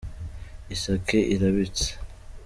Isake irabitse.